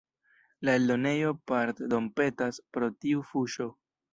La eldonejo pardonpetas pro tiu fuŝo.